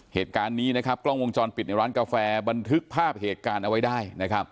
เหตุการณ์นี้นะครับกล้องวงจรปิดในร้านกาแฟบันทึกภาพเหตุการณ์เอาไว้ได้นะครับ